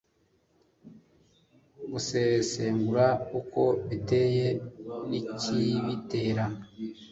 gusesengura uko biteye n' ikibitera